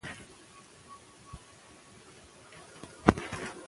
زه د ورځې په اوږدو کې د پنیر لرونکي سنکس اندازه کنټرول کوم.